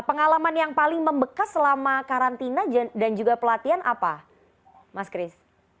pengalaman yang paling membekas selama karantina dan juga pelatihan apa mas kris